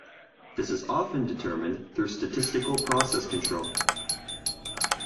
This is often determined through statistical process control.